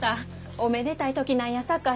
おめでたい時なんやさかい